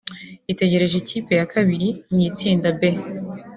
itegereje ikipe ya kabiri mu itsinda B